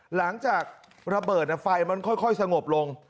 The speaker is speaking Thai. หลังจากระเบิดไฟมันค่อยสงบลง